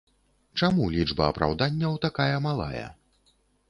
Чаму лічба апраўданняў такая малая?